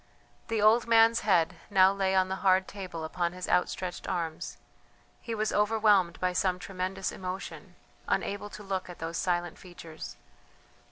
The old man's head now lay on the hard table upon his outstretched arms; he was overwhelmed by some tremendous emotion, unable to look at those silent features.